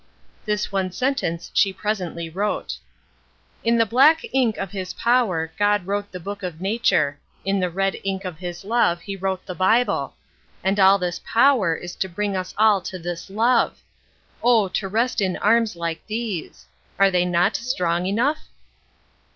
This one sentence she presently wrote: "In the black ink of his power God wrote the Book of nature; in the red ink of his love he wrote the Bible; and all this power is to bring us all to this love. Oh, to rest in arms like these! Are they not strong enough?"